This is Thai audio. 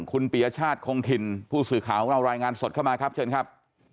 คุณปิจะชาติครงถิลผู้สือข่าวเอารายงานสดเข้ามาครับ